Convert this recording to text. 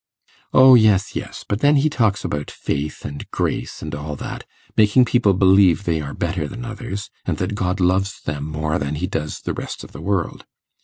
'O yes, yes; but then he talks about faith, and grace, and all that, making people believe they are better than others, and that God loves them more than He does the rest of the world.